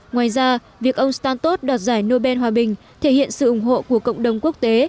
ngoài ra việc ông stantos đoạt giải nobel hòa bình thể hiện sự ủng hộ của cộng đồng quốc tế